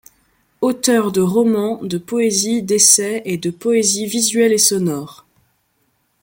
Auteur de romans, de poésie, d'essais et de poésie visuelle et sonore.